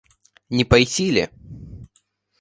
Не пойти ли?